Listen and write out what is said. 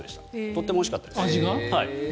とてもおいしかったです。